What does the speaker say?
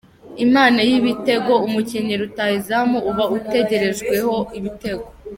Imana y’ibitego : Umukinnyi rutahizamu, uba utegerejweho ibitego.